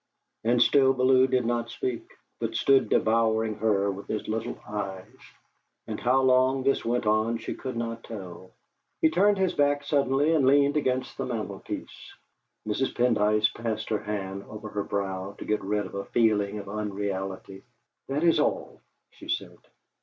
And still Bellew did not speak, but stood devouring her with his little eyes; and how long this went on she could not tell. He turned his back suddenly, and leaned against the mantelpiece. Mrs. Pendyce passed her hand over her brow to get rid of a feeling of unreality. "That is all," she said.